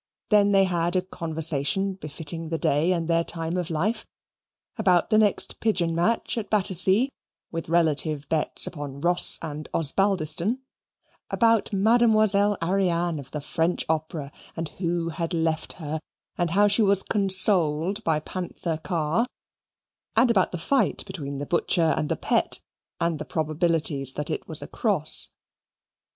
Then they had a conversation befitting the day and their time of life: about the next pigeon match at Battersea, with relative bets upon Ross and Osbaldiston; about Mademoiselle Ariane of the French Opera, and who had left her, and how she was consoled by Panther Carr; and about the fight between the Butcher and the Pet, and the probabilities that it was a cross.